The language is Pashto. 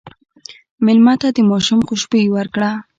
مېلمه ته د ماشوم خوشبويي ورکړه.